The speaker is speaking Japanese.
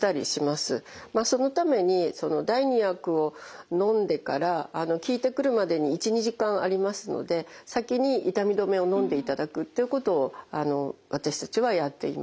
そのために第２薬をのんでから効いてくるまでに１２時間ありますので先に痛み止めをのんでいただくということを私たちはやっています。